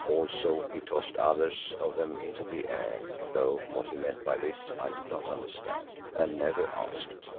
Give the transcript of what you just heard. Also he tossed others of them into the air, though what he meant by this I did not understand and never asked.